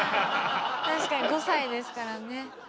確かに５歳ですからね。